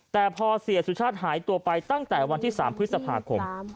แต่พอเสียสุชาติหายตัวไปตั้งแต่วันที่๓พฤษภาคม